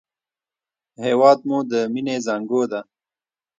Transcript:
هېواد مو د مینې زانګو ده